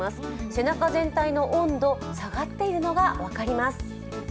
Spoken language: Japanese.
背中全体の温度、下がっているのが分かります。